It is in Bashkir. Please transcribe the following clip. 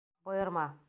Бойорма!